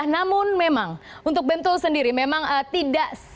namun memang untuk bentle sendiri memang tidak sebaik